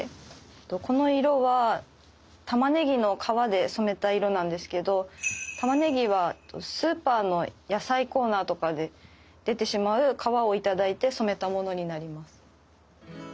この色はたまねぎの皮で染めた色なんですけどたまねぎはスーパーの野菜コーナーとかで出てしまう皮を頂いて染めたものになります。